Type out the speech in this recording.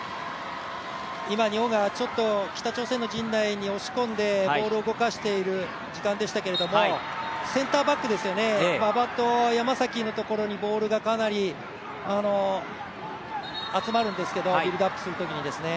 今、日本が北朝鮮の陣内に押し込んでボールを動かしている時間でしたがセンターバックですよね、馬場と山崎のところにボールがかなり集まるんですけど、ビルドアップするときにですね。